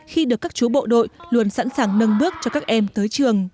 khi được các chú bộ đội luôn sẵn sàng nâng bước cho các em tới trường